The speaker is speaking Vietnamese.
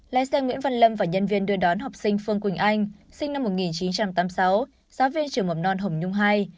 lái xe nguyễn văn lâm và nhân viên đưa đón học sinh phương quỳnh anh sinh năm một nghìn chín trăm tám mươi sáu giáo viên trường mầm non hồng nhung hai